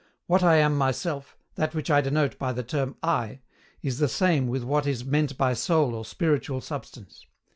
What I am myself, that which I denote by the term I, is the same with what is meant by soul or spiritual substance.